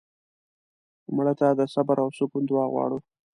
مړه ته د صبر او سکون دعا غواړو